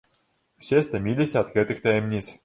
Усе стаміліся ад гэтых таямніц.